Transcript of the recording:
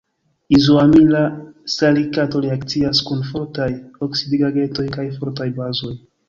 Izoamila salikato reakcias kun fortaj oksidigagentoj kaj fortaj bazoj.